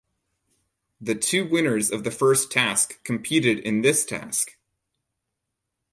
The two winners of the first task competed in this task.